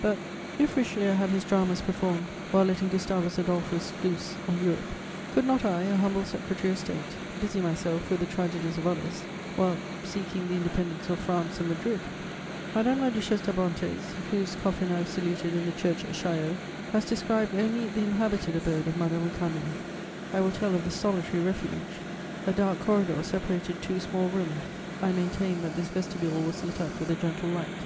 But, if Richelieu had his dramas performed while letting Gustavus Adolphus loose on Europe, could not I, a humble secretary of State, busy myself with the tragedies of others while seeking the independence of France in Madrid? [Sidenote: Sweet hours at the Abbaye.] Madame la Duchesse d'Abrantès, whose coffin I have saluted in the church at Chaillot, has described only the inhabited abode of Madame Récamier; I will tell of the solitary refuge. A dark corridor separated two small rooms. I maintained that this vestibule was lit up with a gentle light.